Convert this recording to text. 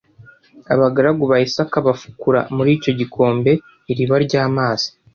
Abagaragu ba Isaka bafukura muri icyo gikombe iriba ry’amazi